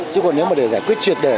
chứ còn nếu mà để giải quyết chuyện này